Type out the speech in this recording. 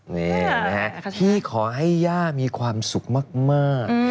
นี่นะฮะที่ขอให้ย่ามีความสุขมาก